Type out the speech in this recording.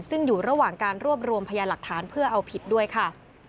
ซึ่งอยู่ระหว่างการรวบรวมพยานหลักฐานเพื่อเอาผิดด้วยค่ะ